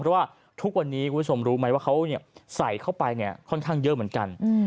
เพราะว่าทุกวันนี้คุณผู้ชมรู้ไหมว่าเขาใส่เข้าไปค่อนข้างเยอะเหมือนกัน